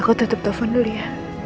aku tutup telfon dulu ya